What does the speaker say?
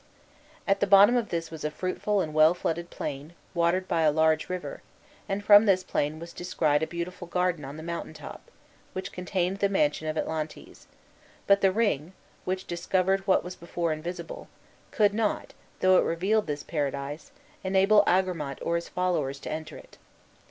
At the bottom of this was a fruitful and well wooded plain, watered by a large river, and from this plain was descried a beautiful garden on the mountain top, which contained the mansion of Atlantes; but the ring, which discovered what was before invisible, could not, though it revealed this paradise, enable Agramant or his followers to enter it.